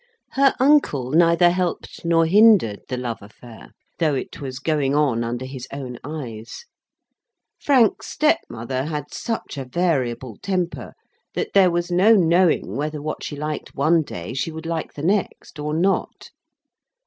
Her uncle neither helped nor hindered the love affair though it was going on under his own eyes. Frank's step mother had such a variable temper, that there was no knowing whether what she liked one day she would like the next, or not.